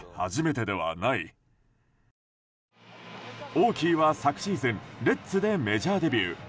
オーキーは昨シーズンレッズでメジャーデビュー。